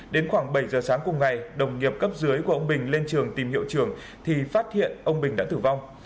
đến khoảng bảy giờ sáng cùng ngày đồng nghiệp cấp dưới của ông bình lên trường tìm hiệu trường thì phát hiện ông bình đã tử vong